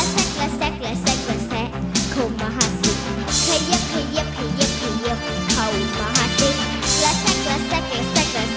ละแซะละแซะละแซะละแซะเข้ามาสิ